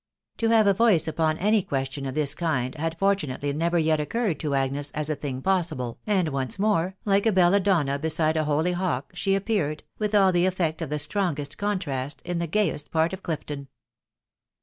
To have a voice upon any question of this kind had fortunately never yet occurred to Agnes as a thing possible, and once more, like a bella donna beside a holy hock, she appeared, with all the effect of the strongest contrast, in the gayest part of Clifton.